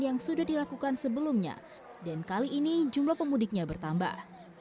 yang sudah dilakukan sebelumnya dan kali ini jumlah pemudiknya bertambah